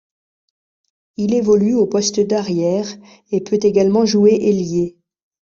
Il évolue au poste d'arrière, et peut également jouer ailier.